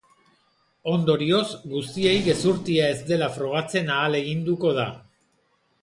Ondorioz, guztiei gezurtia ez dela frogatzen ahaleginduko da.